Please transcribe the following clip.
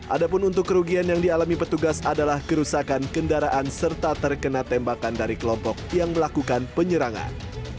ada pun untuk kerugian yang dialami petugas adalah kerusakan kendaraan serta terkena tembakan dari kelompok yang melakukan penyerangan